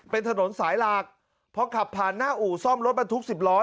เป็นถนนสายหลักพอขับผ่านหน้าอู่ซ่อมรถบรรทุก๑๐ล้อ